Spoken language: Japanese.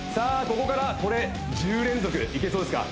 ここからこれ１０連続いけそうですか？